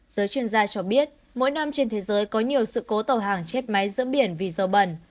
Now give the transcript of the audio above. giới chuyên gia cho biết mỗi năm trên thế giới có nhiều sự cố tàu hàng chết máy giữa biển vì dầu bẩn